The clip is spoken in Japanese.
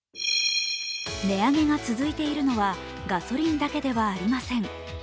値上げが続いているのはガソリンだけではありません。